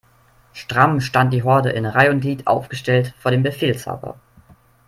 Stramm stand die Horde in Reih' und Glied aufgestellt vor dem Befehlshaber.